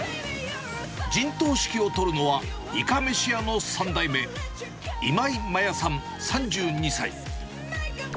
陣頭指揮を執るのは、いかめし屋の３代目、今井麻椰さん３２歳。